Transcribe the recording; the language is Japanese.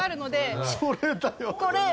それだよ。